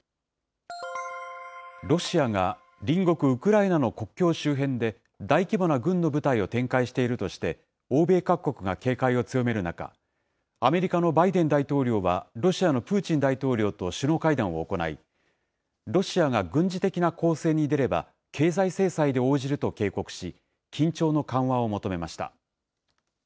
ロシアが隣国ウクライナの国境周辺で、大規模な軍の部隊を展開しているとして、欧米各国が警戒を強める中、アメリカのバイデン大統領はロシアのプーチン大統領と首脳会談を行い、ロシアが軍事的な攻勢に出れば、経済制裁で応じると警告し、緊張の緩和を求めました。